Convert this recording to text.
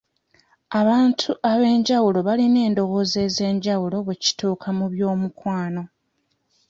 Abantu ab'enjawulo balina endowooza ez'enjawulo bwe kituuka ku by'omukwano.